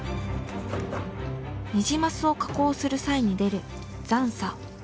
ニジマスを加工する際に出る残渣。